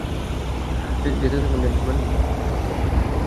যেতে থাকুন, জেন্টলম্যান।